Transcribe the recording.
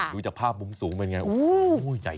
ดูจากภาพมุมสูงเป็นไง